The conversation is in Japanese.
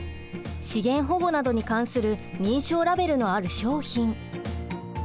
資源保護などに関する認証ラベルのある商品。